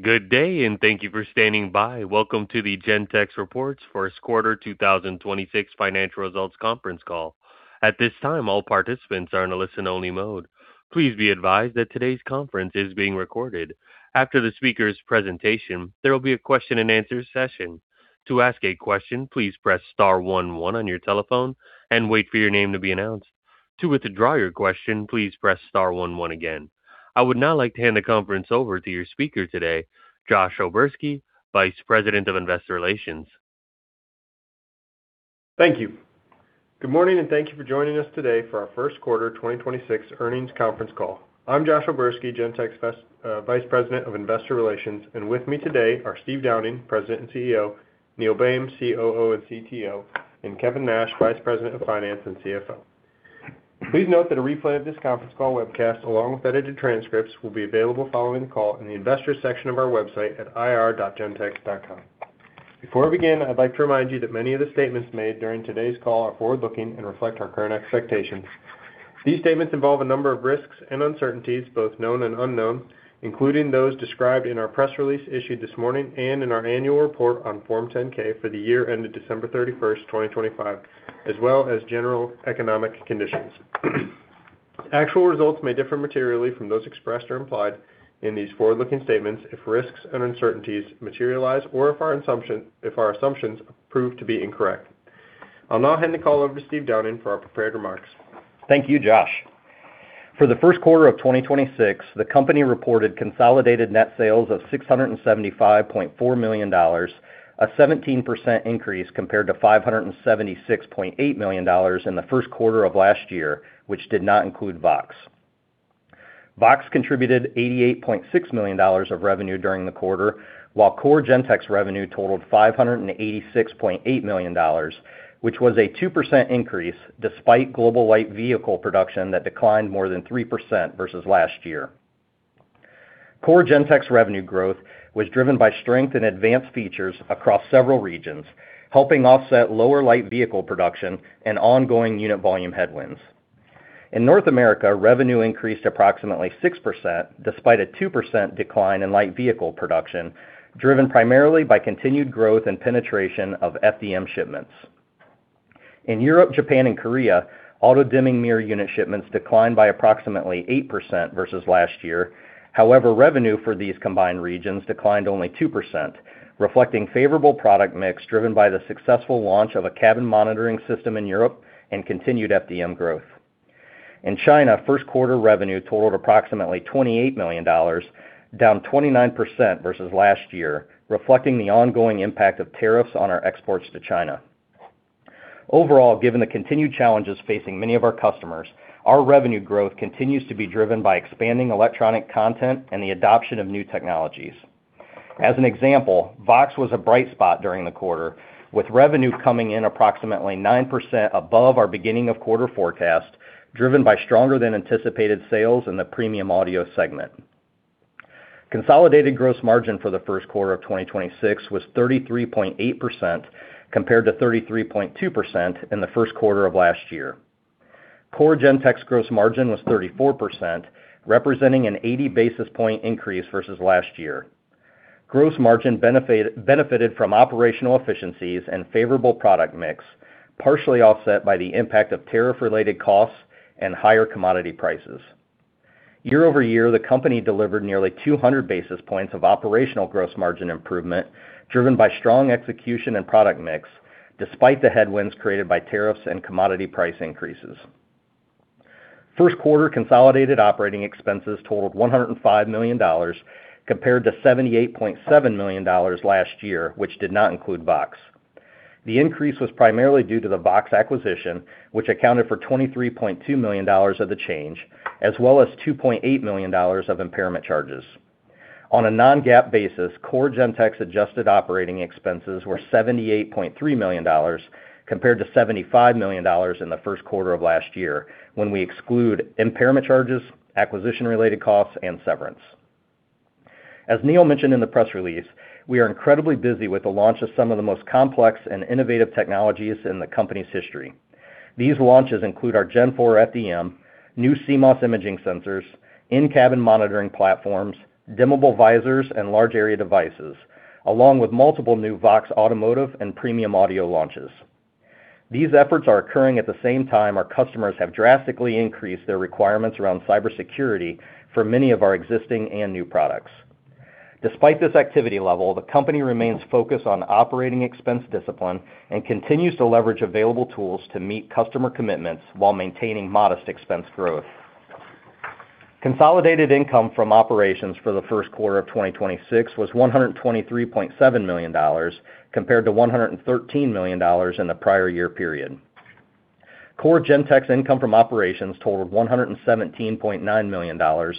Good day and thank you for standing by. Welcome to the Gentex reports first quarter 2026 financial results conference call. At this time, all participants are in a listen-only mode. Please be advised that today's conference is being recorded. After the speaker's presentation, there will be a question and answer session. To ask a question, please press star one one on your telephone and wait for your name to be announced. To withdraw your question, please press star one one again. I would now like to hand the conference over to your speaker today, Josh O'Berski, Vice President of Investor Relations. Thank you. Good morning and thank you for joining us today for our first quarter 2026 earnings conference call. I'm Josh O'Berski, Gentex Vice President of Investor Relations, and with me today are Steve Downing, President and CEO, Neil Boehm, COO and CTO, and Kevin Nash, Vice President of Finance and CFO. Please note that a replay of this conference call webcast, along with edited transcripts, will be available following the call in the investors section of our website at ir.gentex.com. Before we begin, I'd like to remind you that many of the statements made during today's call are forward-looking and reflect our current expectations. These statements involve a number of risks and uncertainties, both known and unknown, including those described in our press release issued this morning and in our annual report on Form 10-K for the year ended December 31st, 2025, as well as general economic conditions. Actual results may differ materially from those expressed or implied in these forward-looking statements if risks and uncertainties materialize or if our assumptions prove to be incorrect. I'll now hand the call over to Steve Downing for our prepared remarks. Thank you, Josh. For the first quarter of 2026, the company reported consolidated net sales of $675.4 million, a 17% increase compared to $576.8 million in the first quarter of last year, which did not include VOXX. VOXX contributed $88.6 million of revenue during the quarter, while core Gentex revenue totaled $586.8 million, which was a 2% increase despite global light vehicle production that declined more than 3% versus last year. Core Gentex revenue growth was driven by strength in advanced features across several regions, helping offset lower light vehicle production and ongoing unit volume headwinds. In North America, revenue increased approximately 6%, despite a 2% decline in light vehicle production, driven primarily by continued growth in penetration of FDM shipments. In Europe, Japan, and Korea, auto-dimming mirror unit shipments declined by approximately 8% versus last year. However, revenue for these combined regions declined only 2%, reflecting favorable product mix driven by the successful launch of a cabin monitoring system in Europe and continued FDM growth. In China, first quarter revenue totaled approximately $28 million, down 29% versus last year, reflecting the ongoing impact of tariffs on our exports to China. Overall, given the continued challenges facing many of our customers, our revenue growth continues to be driven by expanding electronic content and the adoption of new technologies. As an example, VOXX was a bright spot during the quarter, with revenue coming in approximately 9% above our beginning of quarter forecast, driven by stronger than anticipated sales in the premium audio segment. Consolidated gross margin for the first quarter of 2026 was 33.8%, compared to 33.2% in the first quarter of last year. Core Gentex gross margin was 34%, representing an 80 basis point increase versus last year. Gross margin benefited from operational efficiencies and favorable product mix, partially offset by the impact of tariff-related costs and higher commodity prices. Year-over-year, the company delivered nearly 200 basis points of operational gross margin improvement driven by strong execution and product mix, despite the headwinds created by tariffs and commodity price increases. First quarter consolidated operating expenses totaled $105 million, compared to $78.7 million last year, which did not include VOXX. The increase was primarily due to the VOXX acquisition, which accounted for $23.2 million of the change, as well as $2.8 million of impairment charges. On a non-GAAP basis, core Gentex adjusted operating expenses were $78.3 million, compared to $75 million in the first quarter of last year, when we exclude impairment charges, acquisition-related costs, and severance. As Neil mentioned in the press release, we are incredibly busy with the launch of some of the most complex and innovative technologies in the company's history. These launches include our Gen4 FDM, new CMOS imaging sensors, in-cabin monitoring platforms, dimmable visors, and large area devices, along with multiple new VOXX automotive and premium audio launches. These efforts are occurring at the same time our customers have drastically increased their requirements around cybersecurity for many of our existing and new products. Despite this activity level, the company remains focused on operating expense discipline and continues to leverage available tools to meet customer commitments while maintaining modest expense growth. Consolidated income from operations for the first quarter of 2026 was $123.7 million, compared to $113 million in the prior year period. Core Gentex income from operations totaled $117.9 million,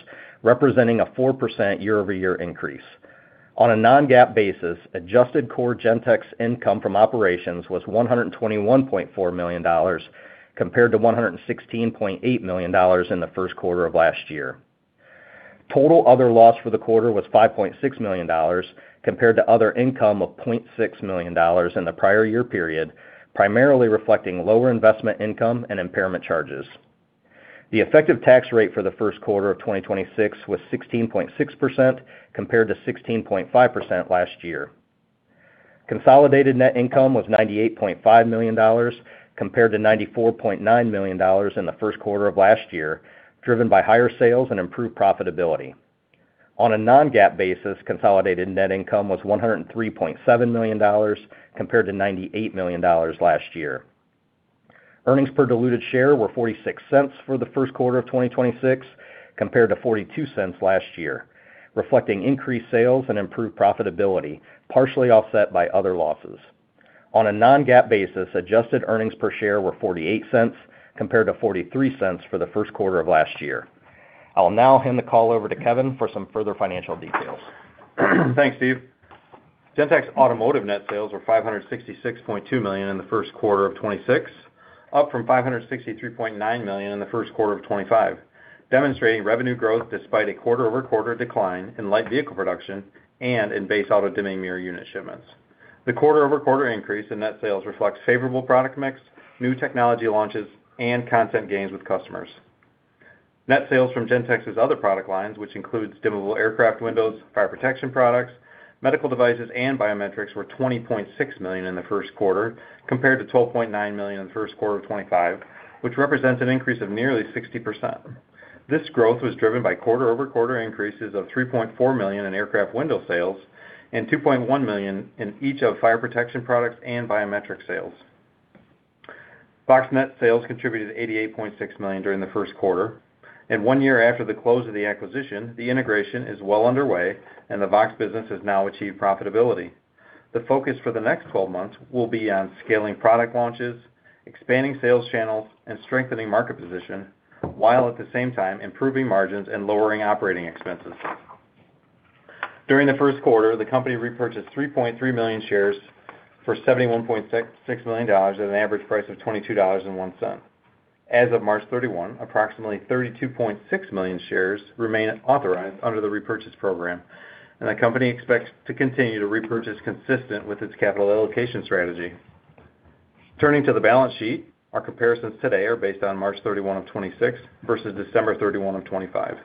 representing a 4% year-over-year increase. On a non-GAAP basis, adjusted core Gentex income from operations was $121.4 million, compared to $116.8 million in the first quarter of last year. Total other loss for the quarter was $5.6 million, compared to other income of $0.6 million in the prior year period, primarily reflecting lower investment income and impairment charges. The effective tax rate for the first quarter of 2026 was 16.6% compared to 16.5% last year. Consolidated net income was $98.5 million compared to $94.9 million in the first quarter of last year, driven by higher sales and improved profitability. On a non-GAAP basis, consolidated net income was $103.7 million compared to $98 million last year. Earnings per diluted share were $0.46 for the first quarter of 2026, compared to $0.42 last year, reflecting increased sales and improved profitability, partially offset by other losses. On a non-GAAP basis, adjusted earnings per share were $0.48 compared to $0.43 for the first quarter of last year. I'll now hand the call over to Kevin for some further financial details. Thanks, Steve. Gentex Automotive net sales were $566.2 million in the first quarter of 2026, up from $563.9 million in the first quarter of 2025, demonstrating revenue growth despite a quarter-over-quarter decline in light vehicle production and in base auto dimming mirror unit shipments. The quarter-over-quarter increase in net sales reflects favorable product mix, new technology launches, and content gains with customers. Net sales from Gentex's other product lines, which includes electronically dimmable windows, fire protection products, medical devices, and biometrics, were $20.6 million in the first quarter, compared to $12.9 million in the first quarter of 2025, which represents an increase of nearly 60%. This growth was driven by quarter-over-quarter increases of $3.4 million in aircraft window sales and $2.1 million in each of fire protection products and biometric sales. VOXX net sales contributed $88.6 million during the first quarter. One year after the close of the acquisition, the integration is well underway and the VOXX business has now achieved profitability. The focus for the next 12 months will be on scaling product launches, expanding sales channels, and strengthening market position, while at the same time improving margins and lowering operating expenses. During the first quarter, the company repurchased 3.3 million shares for $71.6 million at an average price of $22.01. As of March 31, approximately 32.6 million shares remain authorized under the repurchase program, and the company expects to continue to repurchase consistent with its capital allocation strategy. Turning to the balance sheet, our comparisons today are based on March 31, 2026 versus December 31, 2025.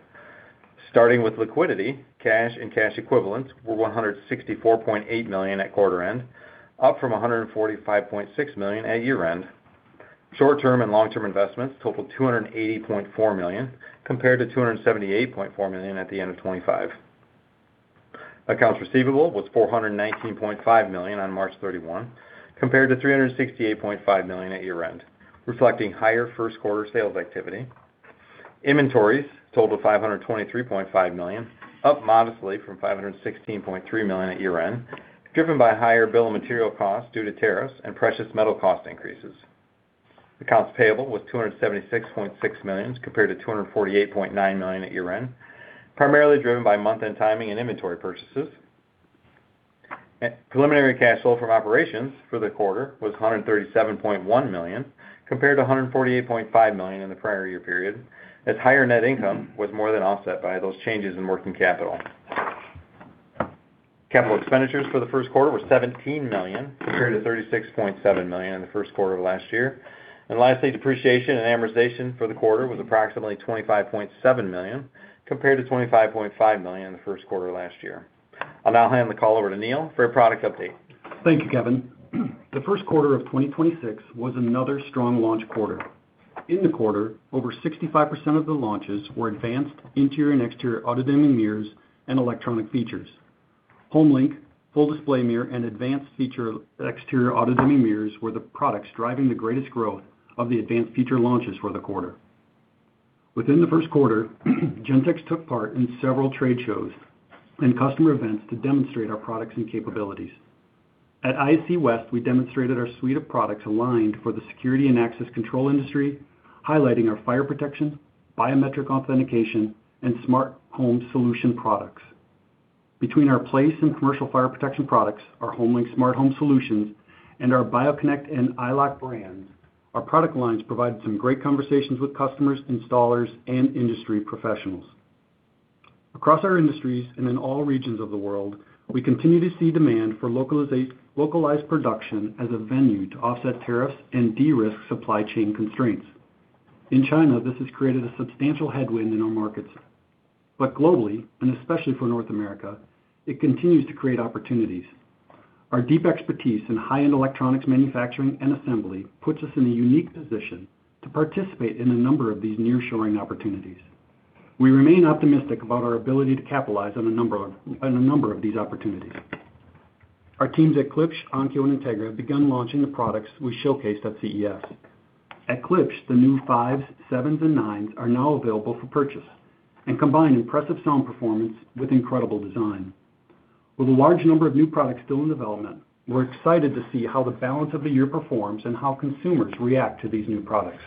Starting with liquidity, cash and cash equivalents were $164.8 million at quarter end, up from $145.6 million at year-end. Short-term and long-term investments totaled $280.4 million, compared to $278.4 million at the end of 2025. Accounts receivable was $419.5 million on March 31, compared to $368.5 million at year-end, reflecting higher first quarter sales activity. Inventories totaled $523.5 million, up modestly from $516.3 million at year-end, driven by higher bill of material costs due to tariffs and precious metal cost increases. Accounts payable was $276.6 million, compared to $248.9 million at year-end, primarily driven by month-end timing and inventory purchases. Preliminary cash flow from operations for the quarter was $137.1 million, compared to $148.5 million in the prior year period, as higher net income was more than offset by those changes in working capital. Capital expenditures for the first quarter were $17 million, compared to $36.7 million in the first quarter of last year. Lastly, depreciation and amortization for the quarter was approximately $25.7 million, compared to $25.5 million in the first quarter of last year. I'll now hand the call over to Neil for a product update. Thank you, Kevin. The first quarter of 2026 was another strong launch quarter. In the quarter, over 65% of the launches were advanced interior and exterior auto-dimming mirrors and electronic features. HomeLink, Full Display Mirror, and advanced feature exterior auto-dimming mirrors were the products driving the greatest growth of the advanced feature launches for the quarter. Within the first quarter, Gentex took part in several trade shows and customer events to demonstrate our products and capabilities. At ISC West, we demonstrated our suite of products aligned for the security and access control industry, highlighting our fire protection, biometric authentication, and smart home solution products. Between our PLACE and commercial fire protection products, our HomeLink smart home solutions, and our BioConnect and EyeLock brands, our product lines provided some great conversations with customers, installers, and industry professionals. Across our industries and in all regions of the world, we continue to see demand for localized production as a venue to offset tariffs and de-risk supply chain constraints. In China, this has created a substantial headwind in our markets. Globally, and especially for North America, it continues to create opportunities. Our deep expertise in high-end electronics manufacturing and assembly puts us in a unique position to participate in a number of these nearshoring opportunities. We remain optimistic about our ability to capitalize on a number of these opportunities. Our teams at Klipsch, Onkyo, and Integra have begun launching the products we showcased at CES. At Klipsch, the new 5s, 7s, and 9s are now available for purchase and combine impressive sound performance with incredible design. With a large number of new products still in development, we're excited to see how the balance of the year performs and how consumers react to these new products.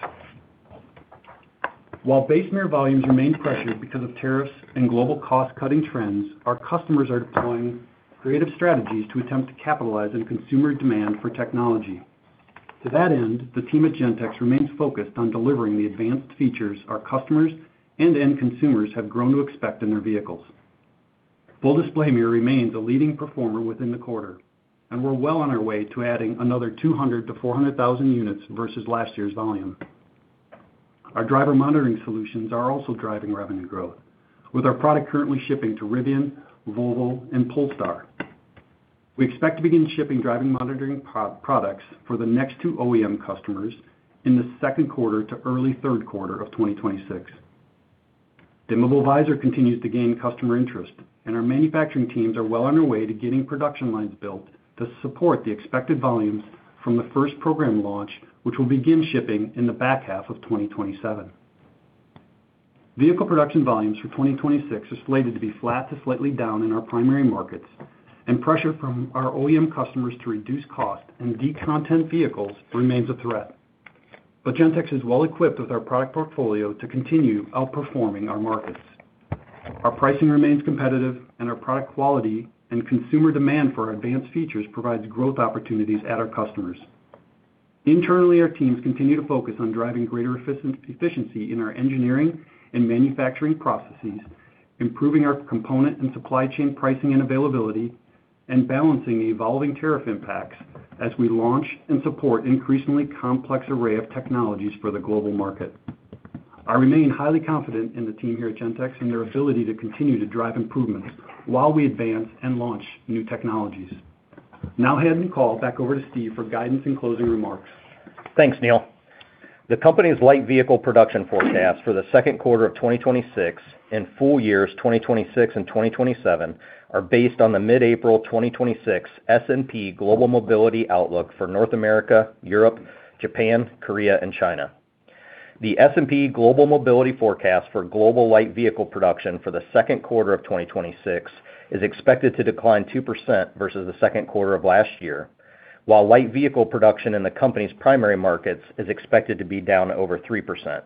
While base mirror volumes remain pressured because of tariffs and global cost-cutting trends, our customers are deploying creative strategies to attempt to capitalize on consumer demand for technology. To that end, the team at Gentex remains focused on delivering the advanced features our customers and end consumers have grown to expect in their vehicles. Full Display Mirror remains a leading performer within the quarter, and we're well on our way to adding another 200,000-400,000 units versus last year's volume. Our Driver Monitoring Solutions are also driving revenue growth, with our product currently shipping to Rivian, Volvo, and Polestar. We expect to begin shipping driver monitoring products for the next two OEM customers in the second quarter to early third quarter of 2026. Dimmable visor continues to gain customer interest, and our manufacturing teams are well on their way to getting production lines built to support the expected volumes from the first program launch, which will begin shipping in the back half of 2027. Vehicle production volumes for 2026 is slated to be flat to slightly down in our primary markets and pressure from our OEM customers to reduce cost and decontent vehicles remains a threat. Gentex is well equipped with our product portfolio to continue outperforming our markets. Our pricing remains competitive and our product quality and consumer demand for our advanced features provides growth opportunities at our customers. Internally, our teams continue to focus on driving greater efficiency in our engineering and manufacturing processes, improving our component and supply chain pricing and availability, and balancing the evolving tariff impacts as we launch and support increasingly complex array of technologies for the global market. I remain highly confident in the team here at Gentex and their ability to continue to drive improvements while we advance and launch new technologies. Now I hand the call back over to Steve for guidance and closing remarks. Thanks, Neil. The company's light vehicle production forecast for the second quarter of 2026 and full years 2026 and 2027 are based on the mid-April 2026 S&P Global Mobility outlook for North America, Europe, Japan, Korea, and China. The S&P Global Mobility forecast for global light vehicle production for the second quarter of 2026 is expected to decline 2% versus the second quarter of last year, while light vehicle production in the company's primary markets is expected to be down over 3%.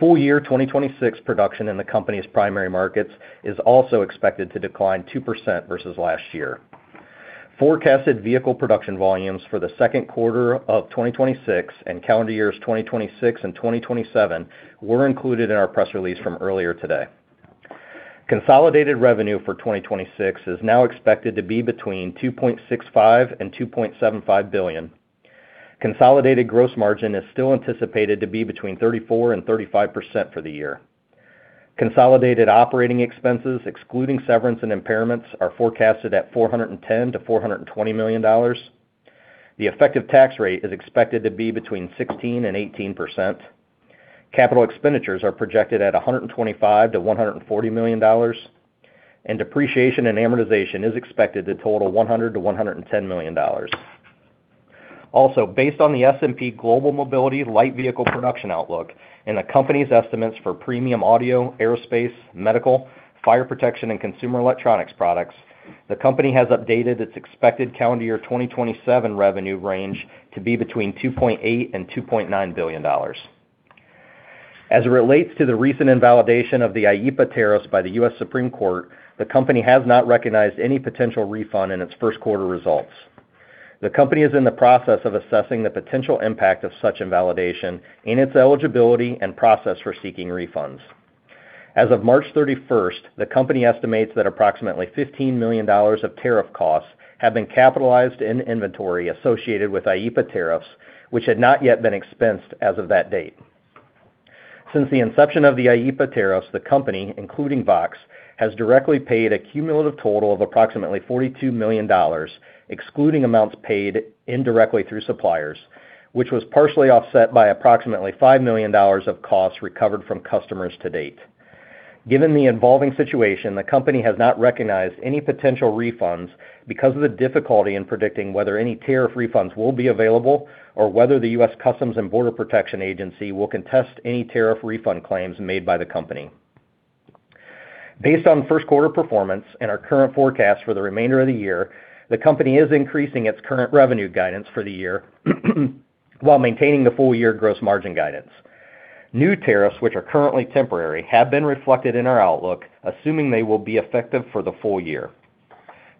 Full year 2026 production in the company's primary markets is also expected to decline 2% versus last year. Forecasted vehicle production volumes for the second quarter of 2026 and calendar years 2026 and 2027 were included in our press release from earlier today. Consolidated revenue for 2026 is now expected to be between $2.65 billion-$2.75 billion. Consolidated gross margin is still anticipated to be between 34% and 35% for the year. Consolidated operating expenses, excluding severance and impairments, are forecasted at $410 million-$420 million. The effective tax rate is expected to be between 16% and 18%. Capital expenditures are projected at $125 million-$140 million, and depreciation and amortization is expected to total $100 million-$110 million. Based on the S&P Global Mobility light vehicle production outlook and the company's estimates for premium audio, aerospace, medical, fire protection, and consumer electronics products, the company has updated its expected calendar year 2027 revenue range to be between $2.8 million and $2.9 billion. As it relates to the recent invalidation of the IEEPA tariffs by the U.S. Supreme Court, the company has not recognized any potential refund in its first quarter results. The company is in the process of assessing the potential impact of such invalidation in its eligibility and process for seeking refunds. As of March 31st, the company estimates that approximately $15 million of tariff costs have been capitalized in inventory associated with IEEPA tariffs, which had not yet been expensed as of that date. Since the inception of the IEEPA tariffs, the company, including VOXX, has directly paid a cumulative total of approximately $42 million, excluding amounts paid indirectly through suppliers, which was partially offset by approximately $5 million of costs recovered from customers to date. Given the evolving situation, the company has not recognized any potential refunds because of the difficulty in predicting whether any tariff refunds will be available or whether the U.S. Customs and Border Protection agency will contest any tariff refund claims made by the company. Based on first quarter performance and our current forecast for the remainder of the year, the company is increasing its current revenue guidance for the year while maintaining the full year gross margin guidance. New tariffs, which are currently temporary, have been reflected in our outlook, assuming they will be effective for the full year.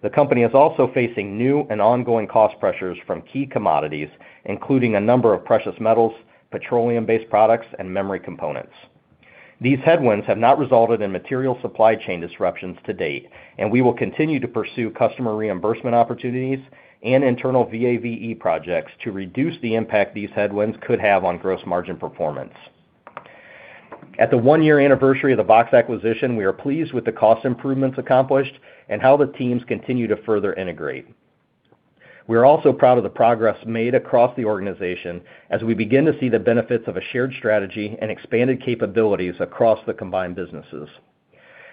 The company is also facing new and ongoing cost pressures from key commodities, including a number of precious metals, petroleum-based products, and memory components. These headwinds have not resulted in material supply chain disruptions to date, and we will continue to pursue customer reimbursement opportunities and internal VAVE projects to reduce the impact these headwinds could have on gross margin performance. At the one-year anniversary of the VOXX acquisition, we are pleased with the cost improvements accomplished and how the teams continue to further integrate. We are also proud of the progress made across the organization as we begin to see the benefits of a shared strategy and expanded capabilities across the combined businesses.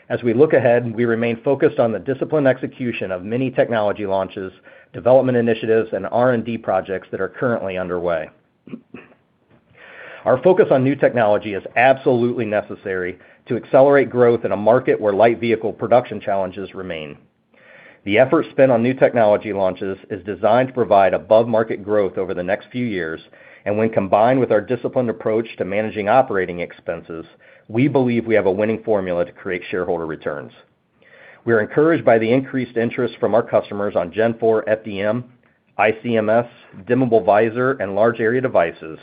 As we look ahead, we remain focused on the disciplined execution of many technology launches, development initiatives, and R&D projects that are currently underway. Our focus on new technology is absolutely necessary to accelerate growth in a market where light vehicle production challenges remain. The effort spent on new technology launches is designed to provide above-market growth over the next few years, and when combined with our disciplined approach to managing operating expenses, we believe we have a winning formula to create shareholder returns. We are encouraged by the increased interest from our customers on Gen4 FDM, ICMS, Dimmable Visor, and large area devices,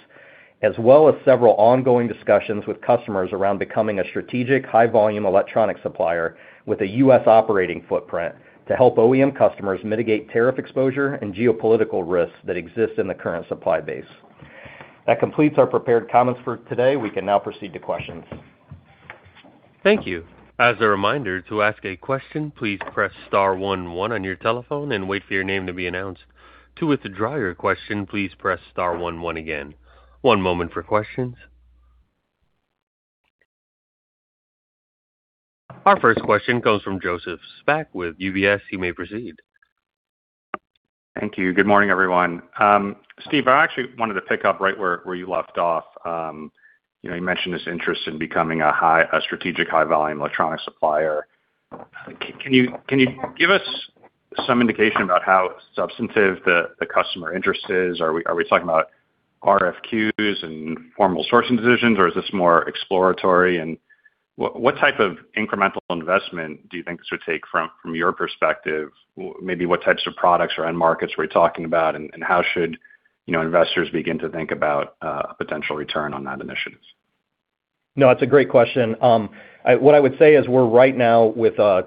as well as several ongoing discussions with customers around becoming a strategic high volume electronic supplier with a U.S. operating footprint to help OEM customers mitigate tariff exposure and geopolitical risks that exist in the current supply base. That completes our prepared comments for today. We can now proceed to questions. Thank you. As a reminder, to ask a question, please press star one one on your telephone and wait for your name to be announced. To withdraw your question, please press star one one again. One moment for questions. Our first question comes from Joseph Spak with UBS. You may proceed. Thank you. Good morning, everyone. Steve, I actually wanted to pick up right where you left off. You mentioned this interest in becoming a strategic high volume electronic supplier. Can you give us some indication about how substantive the customer interest is? Are we talking about RFQs and formal sourcing decisions or is this more exploratory? What type of incremental investment do you think this would take from your perspective? Maybe what types of products or end markets are we talking about, and how should investors begin to think about a potential return on that initiative? No, it's a great question. What I would say is we're right now with a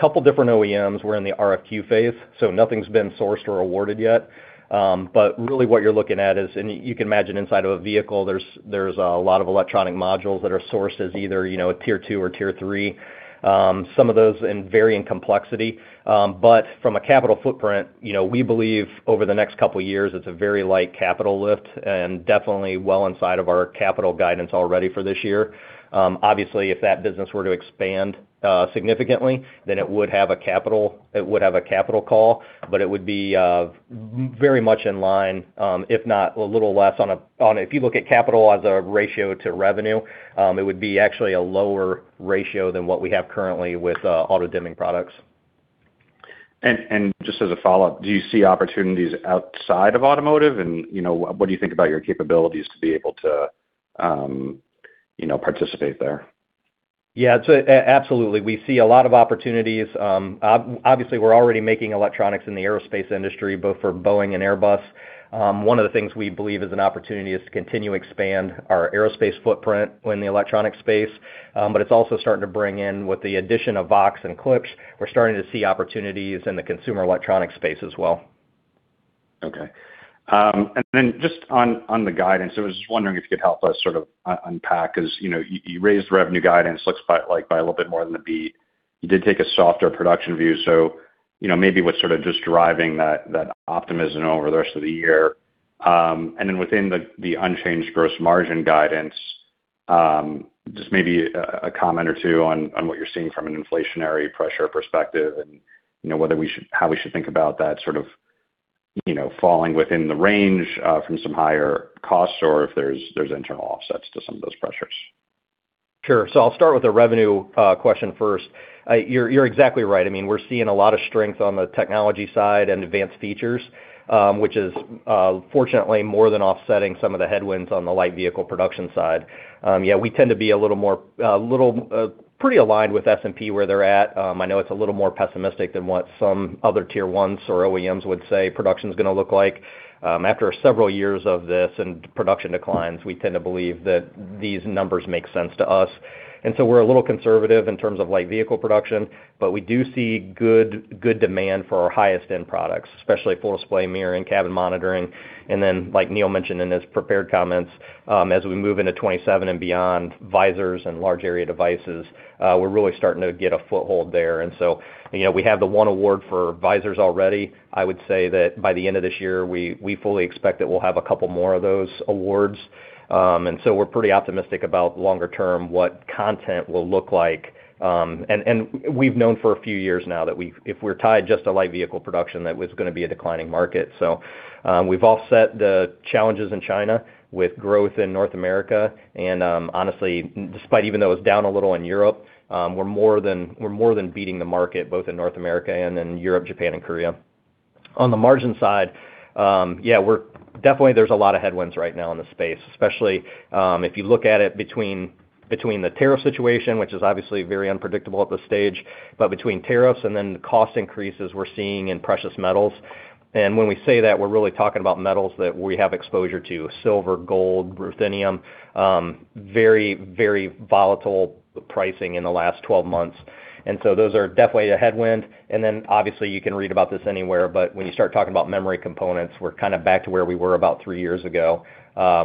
couple different OEMs. We're in the RFQ phase, so nothing's been sourced or awarded yet. Really what you're looking at is, and you can imagine inside of a vehicle, there's a lot of electronic modules that are sourced as either a tier two or tier three, some of those vary in complexity. From a capital footprint, we believe over the next couple of years, it's a very light capital lift and definitely well inside of our capital guidance already for this year. Obviously, if that business were to expand significantly, then it would have a capital call, but it would be very much in line, if not a little less on a... If you look at capital as a ratio to revenue, it would be actually a lower ratio than what we have currently with auto-dimming products. Just as a follow-up, do you see opportunities outside of automotive? What do you think about your capabilities to be able to participate there? Yeah. Absolutely. We see a lot of opportunities. Obviously, we're already making electronics in the aerospace industry, both for Boeing and Airbus. One of the things we believe is an opportunity is to continue to expand our aerospace footprint in the electronic space. But it's also starting to bring in, with the addition of VOXX and Klipsch, we're starting to see opportunities in the consumer electronic space as well. Okay. Just on the guidance, I was just wondering if you could help us sort of unpack, because you raised the revenue guidance, looks like by a little bit more than a beat. You did take a softer production view. Maybe what's sort of just driving that optimism over the rest of the year. Within the unchanged gross margin guidance, just maybe a comment or two on what you're seeing from an inflationary pressure perspective and how we should think about that sort of falling within the range from some higher costs or if there's internal offsets to some of those pressures. Sure. I'll start with the revenue question first. You're exactly right. We're seeing a lot of strength on the technology side and advanced features, which is fortunately more than offsetting some of the headwinds on the light vehicle production side. Yeah, we tend to be pretty aligned with S&P where they're at. I know it's a little more pessimistic than what some other tier ones or OEMs would say production is going to look like. After several years of this and production declines, we tend to believe that these numbers make sense to us. We're a little conservative in terms of light vehicle production, but we do see good demand for our highest end products, especially Full Display Mirror and cabin monitoring. Like Neil mentioned in his prepared comments, as we move into 2027 and beyond, visors and large area devices, we're really starting to get a foothold there. We have the one award for visors already. I would say that by the end of this year, we fully expect that we'll have a couple more of those awards. We're pretty optimistic about longer term what content will look like. We've known for a few years now that if we're tied just to light vehicle production, that was going to be a declining market. We've offset the challenges in China with growth in North America, and honestly, despite even though it's down a little in Europe, we're more than beating the market both in North America and in Europe, Japan and Korea. On the margin side, definitely there's a lot of headwinds right now in the space, especially if you look at it between the tariff situation, which is obviously very unpredictable at this stage, but between tariffs and then the cost increases we're seeing in precious metals. When we say that, we're really talking about metals that we have exposure to, silver, gold, Ruthenium. Very volatile pricing in the last 12 months. Those are definitely a headwind. Obviously, you can read about this anywhere, but when you start talking about memory components, we're kind of back to where we were about three years ago,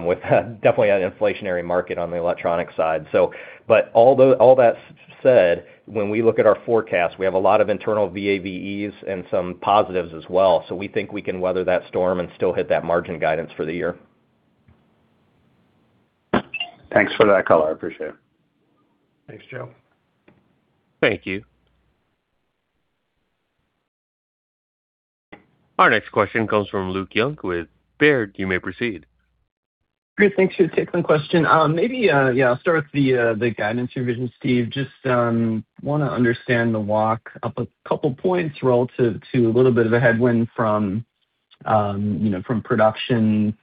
with definitely an inflationary market on the electronic side. All that said, when we look at our forecast, we have a lot of internal VAVEs and some positives as well. We think we can weather that storm and still hit that margin guidance for the year. Thanks for that color. I appreciate it. Thanks, Joe. Thank you. Our next question comes from Luke Junk with Baird. You may proceed. Great. Thanks. Should take one question. Maybe, yeah, I'll start with the guidance revision, Steve. Just want to understand the walk up a couple points relative to a little bit of a headwind from production.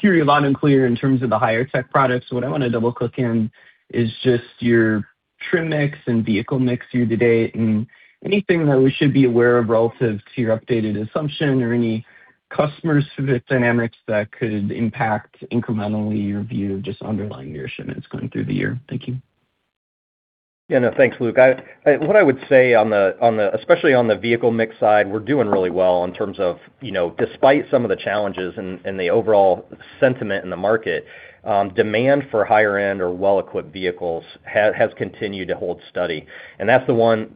Hearing loud and clear in terms of the higher tech products. What I want to double-click in is just your trim mix and vehicle mix year to date, and anything that we should be aware of relative to your updated assumption or any customer-specific dynamics that could impact incrementally your view of just underlying your shipments going through the year. Thank you. Yeah. No, thanks, Luke. What I would say, especially on the vehicle mix side, we're doing really well in terms of despite some of the challenges and the overall sentiment in the market, demand for higher end or well-equipped vehicles has continued to hold steady. That's the one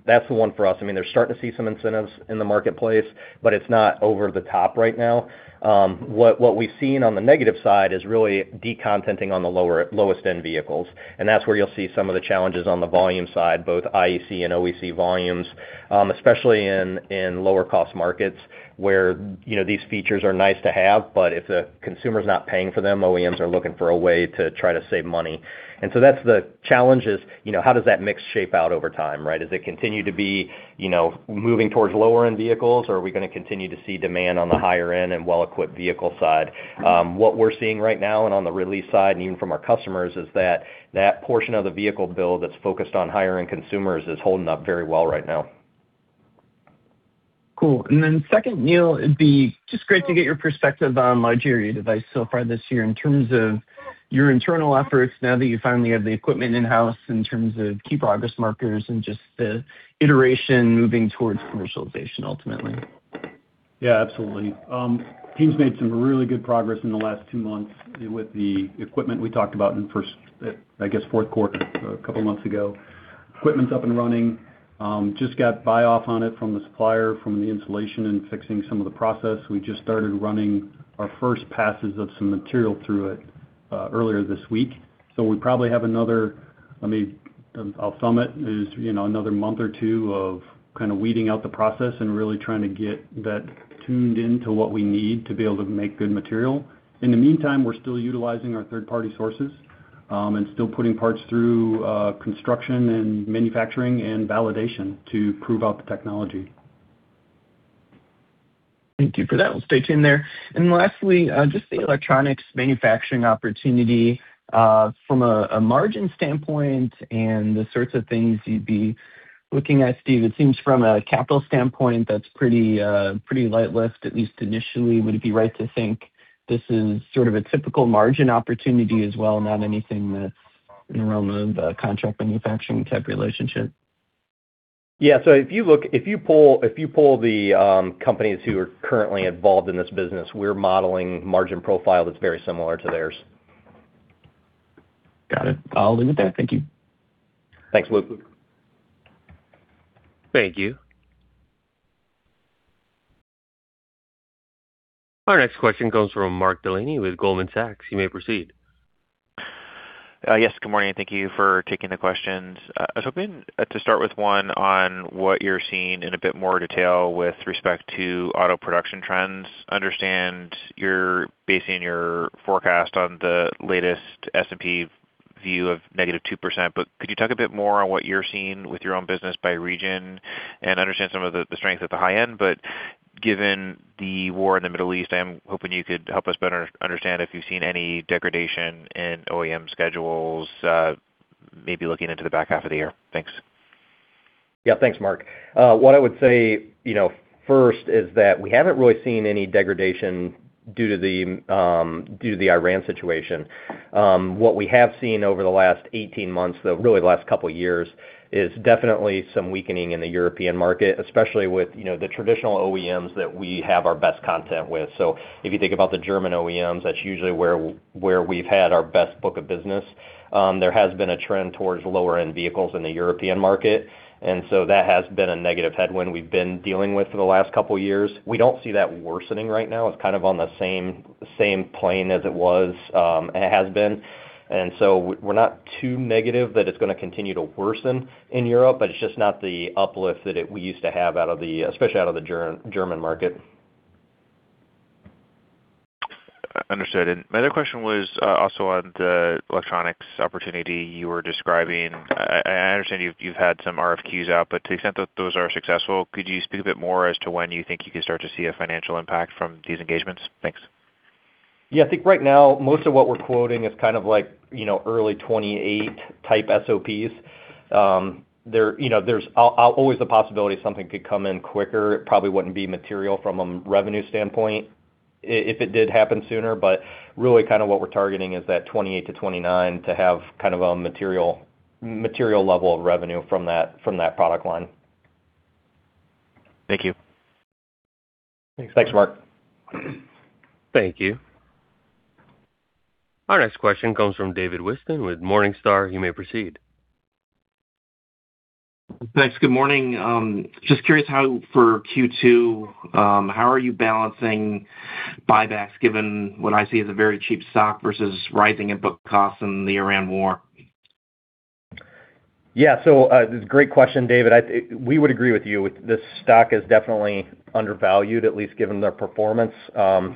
for us. They're starting to see some incentives in the marketplace, but it's not over the top right now. What we've seen on the negative side is really de-contenting on the lower, lowest end vehicles, and that's where you'll see some of the challenges on the volume side, both IEC and OEC volumes, especially in lower cost markets where these features are nice to have, but if the consumer's not paying for them, OEMs are looking for a way to try to save money. That's the challenge, is how does that mix shape out over time, right? Does it continue to be moving towards lower end vehicles, or are we going to continue to see demand on the higher end and well-equipped vehicle side? What we're seeing right now and on the release side and even from our customers, is that that portion of the vehicle build that's focused on higher end consumers is holding up very well right now. Cool. Second, Neil, it'd be just great to get your perspective on large area device so far this year in terms of your internal efforts now that you finally have the equipment in-house in terms of key progress markers and just the iteration moving towards commercialization ultimately. Yeah, absolutely. Team's made some really good progress in the last two months with the equipment we talked about in the fourth quarter a couple of months ago. Equipment's up and running. Just got buy-off on it from the supplier, from the installation and fixing some of the process. We just started running our first passes of some material through it earlier this week. We probably have another, I'll say it is, another month or two of kind of weeding out the process and really trying to get that tuned into what we need to be able to make good material. In the meantime, we're still utilizing our third-party sources, and still putting parts through construction and manufacturing and validation to prove out the technology. Thank you for that. We'll stay tuned there. Lastly, just the electronics manufacturing opportunity, from a margin standpoint and the sorts of things you'd be looking at, Steve, it seems from a capital standpoint that's pretty light lift, at least initially. Would it be right to think this is sort of a typical margin opportunity as well, not anything that's in the realm of a contract manufacturing type relationship? Yeah. If you pull the companies who are currently involved in this business, we're modeling margin profile that's very similar to theirs. Got it. I'll leave it there. Thank you. Thanks, Luke. Thank you. Our next question comes from Mark Delaney with Goldman Sachs. You may proceed. Yes. Good morning. Thank you for taking the questions. I was hoping to start with one on what you're seeing in a bit more detail with respect to auto production trends. I understand you're basing your forecast on the latest S&P view of -2%, but could you talk a bit more on what you're seeing with your own business by region and I understand some of the strength at the high end, but given the war in the Middle East, I am hoping you could help us better understand if you've seen any degradation in OEM schedules, maybe looking into the back half of the year. Thanks. Yeah. Thanks, Mark. What I would say first is that we haven't really seen any degradation due to the Iran situation. What we have seen over the last 18 months, though, really the last couple of years is definitely some weakening in the European market, especially with the traditional OEMs that we have our best content with. If you think about the German OEMs, that's usually where we've had our best book of business. There has been a trend towards lower end vehicles in the European market, and so that has been a negative headwind we've been dealing with for the last couple of years. We don't see that worsening right now. It's kind of on the same plane as it was, and it has been. We're not too negative that it's going to continue to worsen in Europe, but it's just not the uplift that we used to have especially out of the German market. Understood. My other question was also on the electronics opportunity you were describing. I understand you've had some RFQs out, but to the extent that those are successful, could you speak a bit more as to when you think you could start to see a financial impact from these engagements? Thanks. Yeah, I think right now most of what we're quoting is kind of like early 2028 type SOPs. There's always the possibility something could come in quicker. It probably wouldn't be material from a revenue standpoint if it did happen sooner, but really kind of what we're targeting is that 2028 to 2029 to have kind of a material level of revenue from that product line. Thank you. Thanks, Mark. Thank you. Our next question comes from David Whiston with Morningstar. You may proceed. Thanks. Good morning. Just curious, for Q2, how are you balancing buybacks given what I see as a very cheap stock versus rising input costs in the Iran war? Yeah. Great question, David. We would agree with you. This stock is definitely undervalued, at least given the performance. We're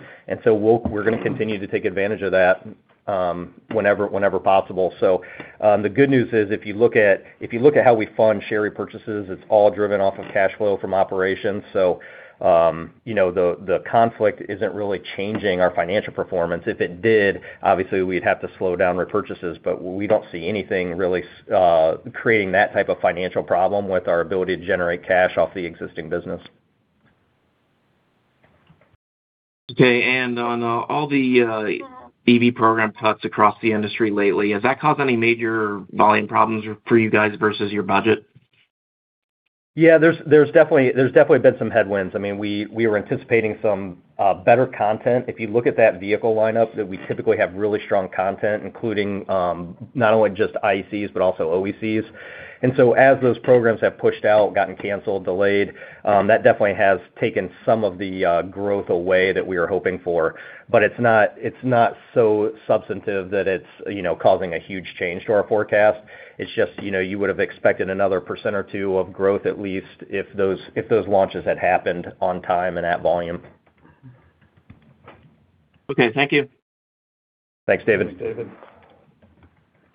going to continue to take advantage of that whenever possible. The good news is if you look at how we fund share repurchases, it's all driven off of cash flow from operations. The conflict isn't really changing our financial performance. If it did, obviously we'd have to slow down repurchases, but we don't see anything really creating that type of financial problem with our ability to generate cash off the existing business. Okay, on all the EV program cuts across the industry lately, has that caused any major volume problems for you guys versus your budget? Yeah, there's definitely been some headwinds. We were anticipating some better content. If you look at that vehicle lineup, that we typically have really strong content, including, not only just ICEs, but also EVs. As those programs have pushed out, gotten canceled, delayed, that definitely has taken some of the growth away that we were hoping for. It's not so substantive that it's causing a huge change to our forecast. It's just, you would've expected another 1% or 2% of growth, at least, if those launches had happened on time and at volume. Okay, thank you. Thanks, David.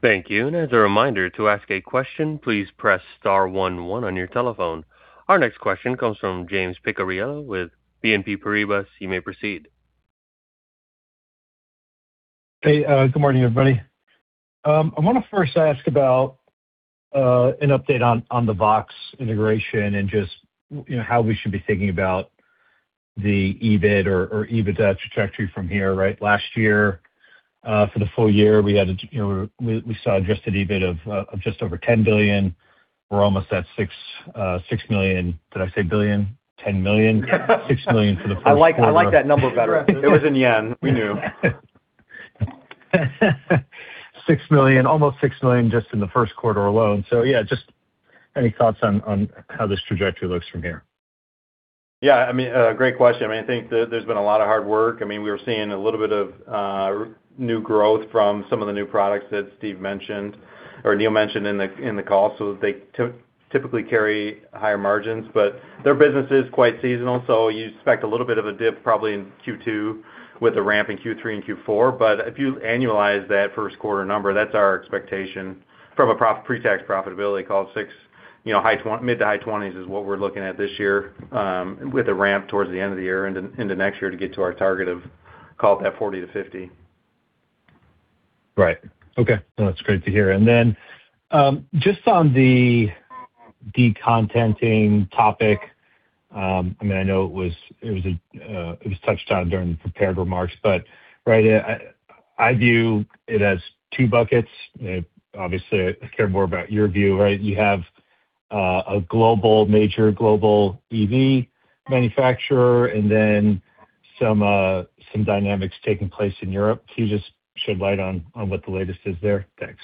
Thank you. As a reminder, to ask a question, please press star one one on your telephone. Our next question comes from James Picariello with BNP Paribas. You may proceed. Hey, good morning, everybody. I want to first ask about an update on the VOXX integration and just how we should be thinking about the EBIT or EBITDA trajectory from here. Last year, for the full year, we saw adjusted EBIT of just over $10 billion. We're almost at $6 million. Did I say billion? $10 million. $6 million for the first quarter. I like that number better. It was in yen. We knew. Almost $6 million just in the first quarter alone. Yeah, just any thoughts on how this trajectory looks from here? Yeah. Great question. I think there's been a lot of hard work. We were seeing a little bit of new growth from some of the new products that Steve mentioned or Neil mentioned in the call, so they typically carry higher margins, but their business is quite seasonal, so you expect a little bit of a dip probably in Q2 with a ramp in Q3 and Q4. If you annualize that first quarter number, that's our expectation from a pre-tax profitability goal, mid-20s to high-20s is what we're looking at this year, with a ramp towards the end of the year into next year to get to our target of call it that 40%-50%. Right. Okay. No, that's great to hear. Just on the decontenting topic, I know it was touched on during the prepared remarks, but I view it as two buckets. Obviously, I care more about your view, right? You have a major global EV manufacturer and then some dynamics taking place in Europe. Can you just shed light on what the latest is there? Thanks.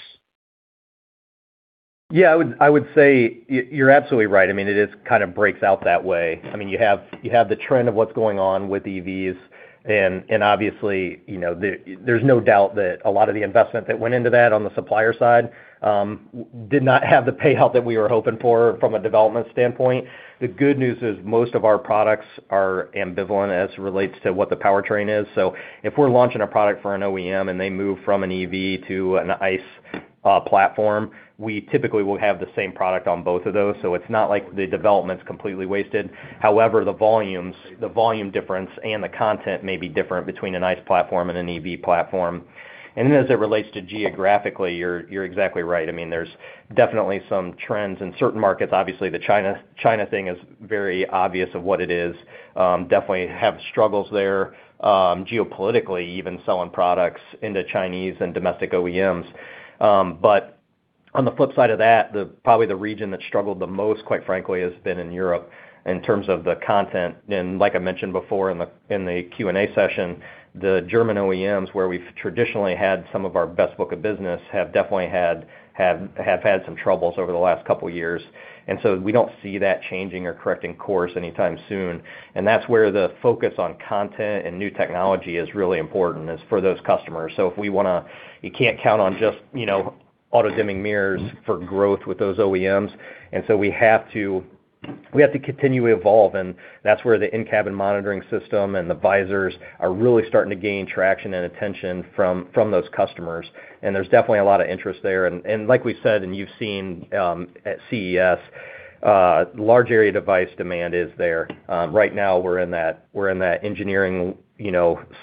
Yeah, I would say you're absolutely right. It just kind of breaks out that way. You have the trend of what's going on with EVs, and obviously, there's no doubt that a lot of the investment that went into that on the supplier side did not have the payout that we were hoping for from a development standpoint. The good news is most of our products are ambivalent as it relates to what the powertrain is. If we're launching a product for an OEM and they move from an EV to an ICE platform, we typically will have the same product on both of those. It's not like the development's completely wasted. However, the volume difference and the content may be different between an ICE platform and an EV platform. As it relates to geographically, you're exactly right. There's definitely some trends in certain markets. Obviously, the China thing is very obvious of what it is. Definitely have struggles there, geopolitically, even selling products into Chinese and domestic OEMs. On the flip side of that, probably the region that struggled the most, quite frankly, has been in Europe in terms of the content. Like I mentioned before in the Q&A session, the German OEMs, where we've traditionally had some of our best book of business, have definitely had some troubles over the last couple of years. We don't see that changing or correcting course anytime soon. That's where the focus on content and new technology is really important, is for those customers. You can't count on just auto-dimming mirrors for growth with those OEMs. We have to continue to evolve, and that's where the in-cabin monitoring system and the visors are really starting to gain traction and attention from those customers. There's definitely a lot of interest there. Like we said, and you've seen at CES, large area device demand is there. Right now we're in that engineering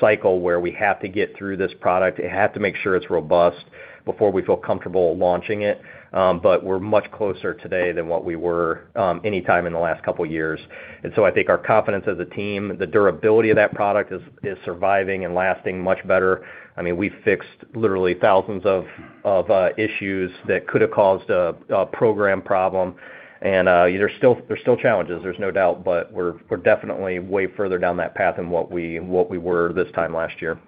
cycle where we have to get through this product, have to make sure it's robust before we feel comfortable launching it. We're much closer today than what we were anytime in the last couple of years. I think our confidence as a team, the durability of that product is surviving and lasting much better. We fixed literally thousands of issues that could have caused a program problem. There's still challenges, there's no doubt, but we're definitely way further down that path than what we were this time last year.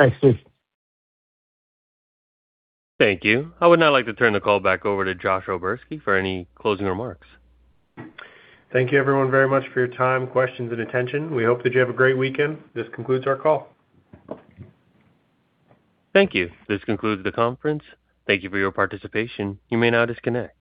Thanks, Steve. Thank you. I would now like to turn the call back over to Josh O'Berski for any closing remarks. Thank you everyone very much for your time, questions, and attention. We hope that you have a great weekend. This concludes our call. Thank you. This concludes the conference. Thank you for your participation. You may now disconnect.